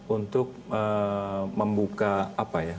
untuk membuka apa ya